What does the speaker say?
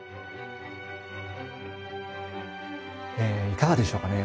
いかがでしょうかね？